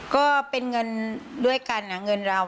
ก็เป็นเงินด้วยกันเงินเรา